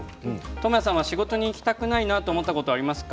倫也さんは仕事に行きたくないと思ったことはありますか？